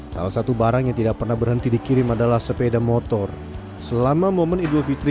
salah satu barang yang tidak pernah berhenti dikirim adalah sepeda motor selama momen idul fitri